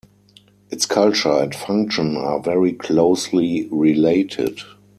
Its culture and function are very closely related.